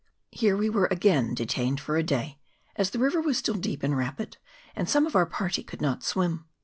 Here we were again detained for a day, as the river was still deep and rapid, and some of our party could not swim.